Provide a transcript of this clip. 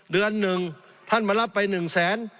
เดือน๑ท่านมารับไป๑แสน